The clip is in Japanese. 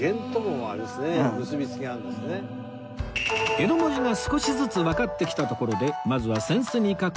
江戸文字が少しずつわかってきたところでまずは扇子に書く